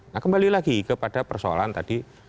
nah kembali lagi kepada persoalan tadi